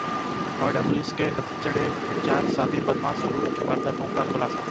Noida police के हत्थे चढ़े चार शातिर बदमाश, लूट की वारदातों का खुलासा